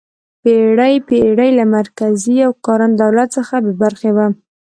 پېړۍ پېړۍ له مرکزي او کارنده دولت څخه بې برخې وه.